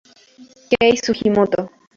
Kei Sugimoto